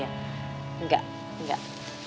telfon dia enggak enggak